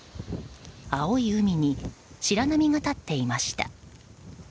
青い海に白波が立っていました。